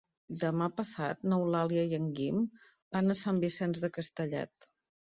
Demà passat n'Eulàlia i en Guim van a Sant Vicenç de Castellet.